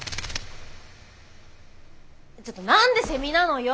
ちょっと何でセミなのよ。